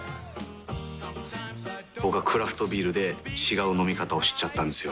僕はクラフトビールで違う飲み方を知っちゃったんですよ。